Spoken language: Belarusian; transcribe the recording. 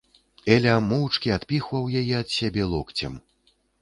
Эля моўчкі адпіхваў яе ад сябе локцем.